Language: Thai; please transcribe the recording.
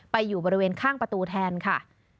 อยู่บริเวณข้างประตูแทนค่ะ